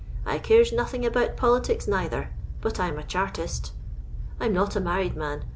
I cares nothing about politics neither ; but I 'm a chartist. " I 'ni not a married man.